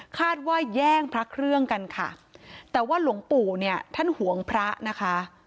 ว่าแย่งพระเครื่องกันค่ะแต่ว่าหลวงปู่เนี่ยท่านห่วงพระนะคะ